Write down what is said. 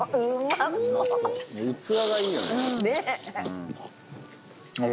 器がいいよね。